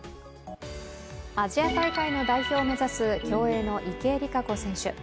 アジア大会の代表を目指す競泳の池江璃花子選手。